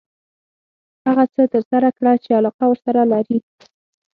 هغه څه ترسره کړه چې علاقه ورسره لري .